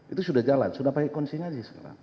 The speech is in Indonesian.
itu sudah jalan sudah pakai konsingasi sekarang